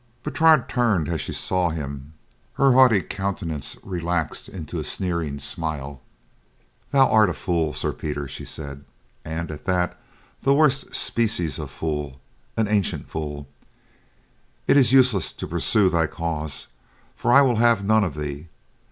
Bertrade turned and as she saw him her haughty countenance relaxed into a sneering smile. "Thou art a fool, Sir Peter," she said, "and, at that, the worst species of fool—an ancient fool. It is useless to pursue thy cause, for I will have none of thee.